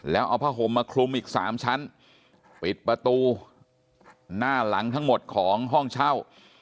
แล้วเอาผ้าห่มมาคลุมอีก๓ชั้นปิดประตูหน้าหลังทั้งหมดของห้องเช่า